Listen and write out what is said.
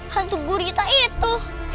hantu gurita itu